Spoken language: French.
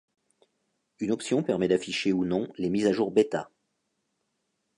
Une option permet d'afficher ou non les mises à jour bêta.